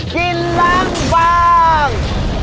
กินล้างบาง